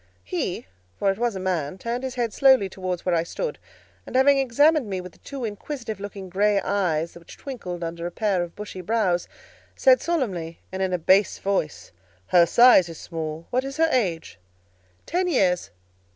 He, for it was a man, turned his head slowly towards where I stood, and having examined me with the two inquisitive looking grey eyes which twinkled under a pair of bushy brows, said solemnly, and in a bass voice, "Her size is small: what is her age?" "Ten years."